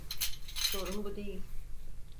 Sorun bu değil.